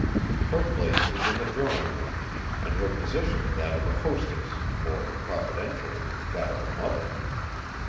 Her place was in the drawing room and her position that of a hostess or, providentially, that of a mother.